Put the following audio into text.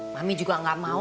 mami juga nggak mau